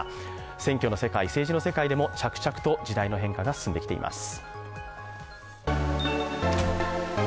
選挙の世界、政治の世界でも着々と時代の変化が進んできています。